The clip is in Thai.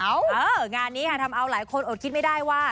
งานนี้ค่ะทำเอาหลายคนอดคิดไม่ได้ว่า